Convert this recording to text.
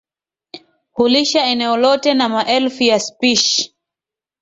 hulisha eneo lote na maelfu ya spishi